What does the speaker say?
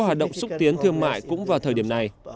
hoạt động xúc tiến thương mại cũng vào thời điểm này